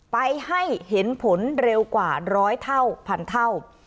ไปให้เห็นผลเร็วกว่าร้อยเท่าพันเท่า